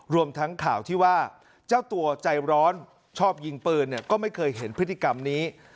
รวมทั้งข่าวที่ว่าเจ้าตัวใจร้อนชอบยิงปืนก็ไม่เคยเห็นพฤติกรรมนี้